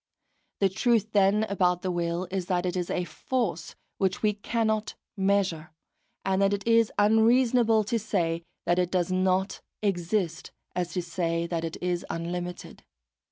The truth then about the will is that it is a force which we cannot measure, and that it is as unreasonable to say that it does not exist as to say that it is unlimited.